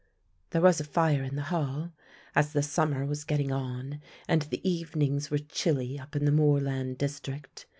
There was a fire in the hall, as the summer was getting on and the evenings were chilly up in the moorland district.